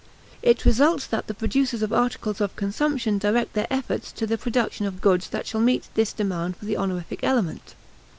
It results that the producers of articles of consumption direct their efforts to the production of goods that shall meet this demand for the honorific element.